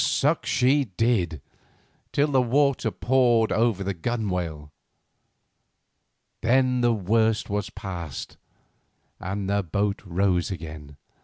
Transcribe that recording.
Suck she did, till the water poured over the gunwale. Then, the worst passed, and the boat rose again.